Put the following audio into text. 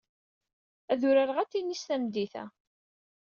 Ad urareɣ atennis tameddit-a.